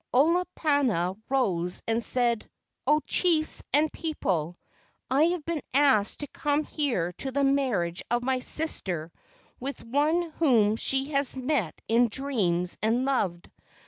Olopana arose and said: "O chiefs and people, I have been asked to come here to the marriage of my sister with one whom she has met in dreams and loved.